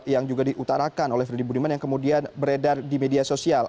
yang juga diutarakan oleh freddy budiman yang kemudian beredar di media sosial